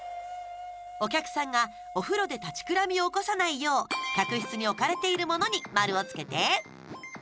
お客さんがお風呂で立ちくらみを起こさないよう客室に置かれているものに丸をつけて。